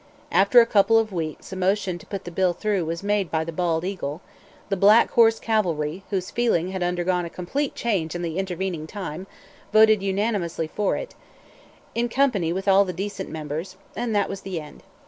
After a couple of weeks a motion to put the bill through was made by "the bald eagle"; the "black horse cavalry," whose feelings had undergone a complete change in the intervening time, voted unanimously for it, in company with all the decent members; and that was the end.